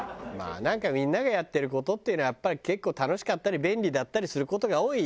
みんながやってる事っていうのはやっぱり結構楽しかったり便利だったりする事が多い。